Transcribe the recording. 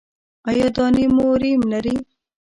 ایا دانې مو ریم لري؟